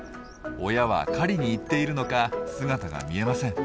親は狩りに行っているのか姿が見えません。